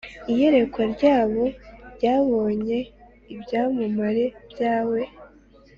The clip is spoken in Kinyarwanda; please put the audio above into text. iyerekwa ryabo ryabonye ibyamamare byawe